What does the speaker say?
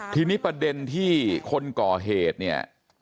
ทีนี้ประเด็นที่คนก่อเหตุเนี่ย